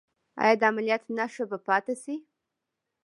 ایا د عملیات نښه به پاتې شي؟